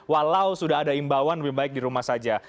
walau sudah ada imbauan lebih baik di rumah saja